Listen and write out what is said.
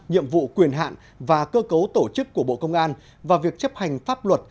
nhiệm vụ quyền hạn và cơ cấu tổ chức của bộ công an và việc chấp hành pháp luật